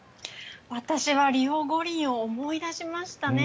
私はリオ五輪を思い出しましたね。